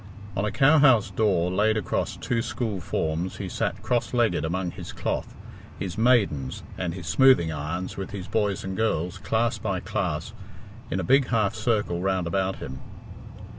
On a cowhouse door laid across two school forms he sat cross legged among his cloth, his "maidens," and his smoothing irons, with his boys and girls, class by class, in a big half circle round about him.